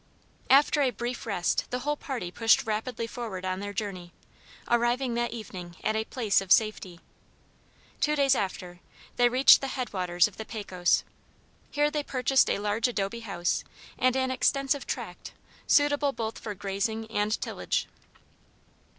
After a brief rest, the whole party pushed rapidly forward on their journey, arriving that evening at a place of safety. Two days after, they reached the headwaters of the Pecos. Here they purchased a large adobe house, and an extensive tract, suitable both for grazing and tillage.